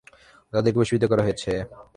তাদেরকে বশীভূত করা হয়েছে।